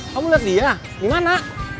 kamu lihat dia gimana